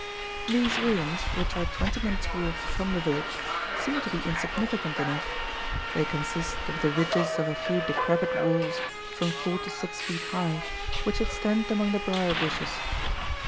These ruins, which are twenty minutes' walk from the village, seem to be insignificant enough; they consist of the ridges of a few decrepit walls, from four to six feet high, which extend among the brier bushes.